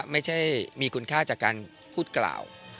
ไม่ใช่มีคุณค่าจากการพูดกล่าว